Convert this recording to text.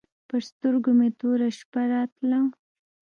پر سترګو مې توره شپه راتله.